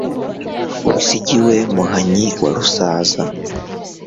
Uwo isigiwe Muhanyi wa Rusaza